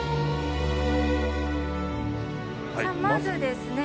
さあまずですね